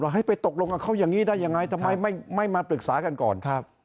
ให้ไปตกลงกับเขาอย่างนี้ได้ยังไงทำไมไม่มาปรึกษากันก่อน